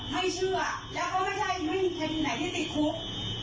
ไม่เชื่อก็ไม่ใช่มีทีไหนที่ติดคุก